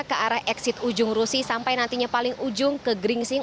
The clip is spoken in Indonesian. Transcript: ke arah eksit ujung rusi sampai nantinya paling ujung ke gringsing